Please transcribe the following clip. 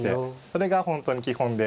それが本当に基本で。